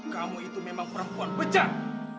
kamu itu memang perempuan pecat